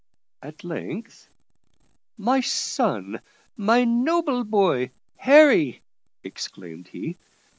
At length "My son! my noble boy Harry," exclaimed he.